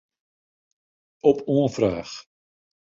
Op oanfraach.